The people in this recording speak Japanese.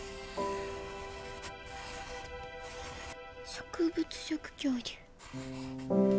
植物食恐竜。